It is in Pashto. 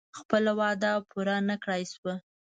خپله وعده پوره نه کړای شوه.